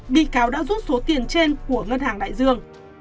bị cáo đã rút số tiền trên của ngân hàng đại dương